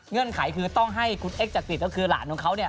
เงื่อนไขคือต้องให้คุณเอ็กซ์จักริสก็คือหลานของเขา